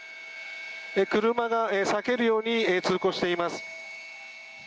車が避けるように通行しています。